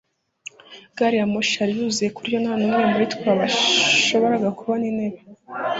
gari ya moshi yari yuzuye ku buryo nta n'umwe muri twe washoboraga kubona intebe